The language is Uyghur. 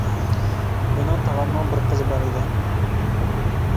مېنىڭ تاغامنىڭ بىر قىزى بار ئىدى.